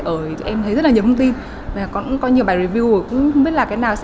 thì tụi em thấy rất là nhiều thông tin và cũng có nhiều bài review cũng không biết là cái nào sẽ